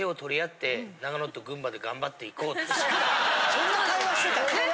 そんな会話してたの？